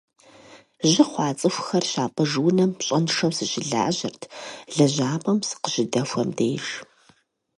Жьы хъуа цӏыхухэр щапӏыж унэм пщӏэншэу сыщылажьэрт лэжьапӏэм сыкъыщыдэхуэм деж.